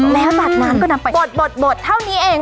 แล้วจากนั้นก็นำไปบดเท่านี้เอง